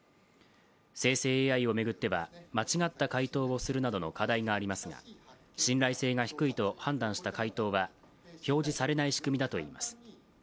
生成ＡＩを巡っては間違った回答をするなどの課題がありますが、信頼性が低いと判断した回答は表示されない仕組みだといいます。